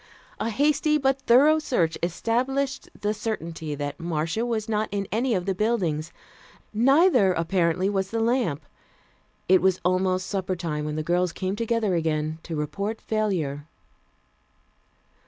A hasty but thorough search established the certainty that Marcia was not in any of the buildings. Neither, apparently, was the lamp. It was almost supper time when the girls came together again to report failure.